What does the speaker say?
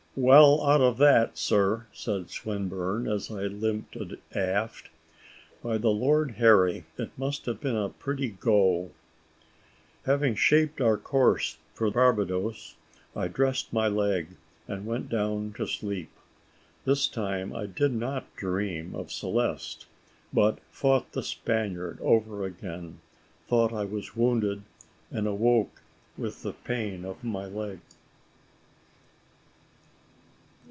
"Well out of that, sir," said Swinburne, as I limped aft. "By the Lord Harry! it might have been a pretty go." Having shaped our course for Barbadoes, I dressed my leg, and went down to sleep. This time I did not dream of Celeste, but fought the Spaniard over again, thought I was wounded, and awoke with the pain of my leg.